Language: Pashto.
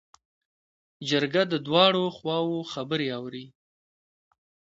جرګه د دواړو خواوو خبرې اوري.